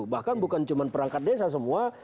bahkan bukan cuma perangkat desa semua